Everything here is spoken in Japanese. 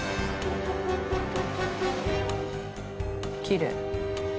きれい。